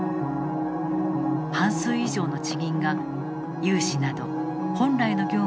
半数以上の地銀が融資など本来の業務で赤字に陥った。